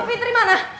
pak fitri mana